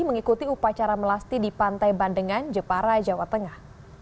mengikuti upacara melasti di pantai bandengan jepara jawa tengah